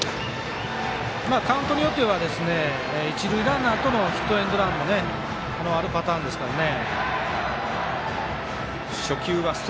カウントによっては一塁ランナーとのヒットエンドランもあるパターンですからね。